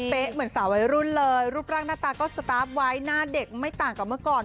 เหมือนสาววัยรุ่นเลยรูปร่างหน้าตาก็สตาร์ฟไว้หน้าเด็กไม่ต่างกับเมื่อก่อน